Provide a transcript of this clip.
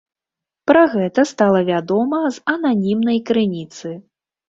Пра гэта стала вядома з ананімнай крыніцы.